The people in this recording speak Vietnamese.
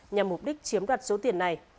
nhằm mục đích chiếm đoạt số tiền này